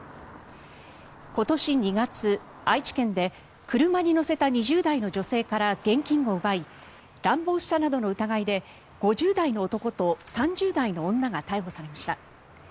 今年２月、愛知県で車に乗せた２０代の女性から現金を奪い乱暴したなどの疑いで５０代の男と３０代の女が逮捕されました。